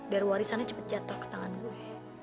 biar warisannya cepat jatuh ke tangan gue